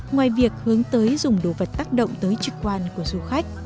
ngoài việc hướng tới dùng đồ vật tác động tới trực quan của du khách